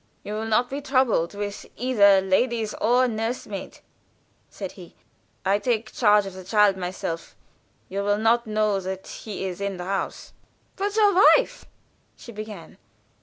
"You will not be troubled with either lady or nurse maid," said he. "I take charge of the child myself. You will not know that he is in the house." "But your wife " she began.